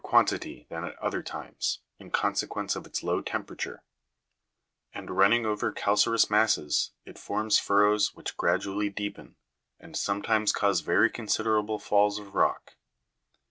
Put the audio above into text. quantity than at other times, in consequence of its low temperature ; and running over calcareous masses, it forms furrows which gra dually deepen, and sometimes cause very considerable falls of rock.